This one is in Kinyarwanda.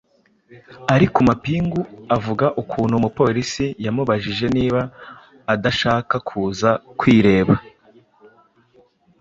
akiri ku mapingu, avuga ukuntu umupolisi yamubajije niba adashaka kuza kwireba